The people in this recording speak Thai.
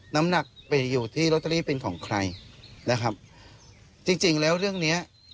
น้ำหนักไปอยู่ที่ลอตเตอรี่เป็นของใครนะครับจริงจริงแล้วเรื่องเนี้ย